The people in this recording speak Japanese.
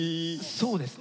そうですね。